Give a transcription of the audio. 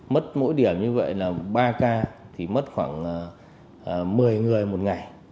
mất mỗi điểm như vậy là ba ca thì mất khoảng một mươi người một ngày